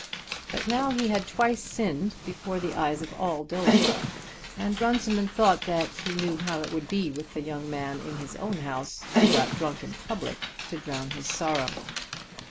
But now he had twice sinned before the eyes of all Dillsborough, and Runciman thought that he knew how it would be with a young man in his own house who got drunk in public to drown his sorrow.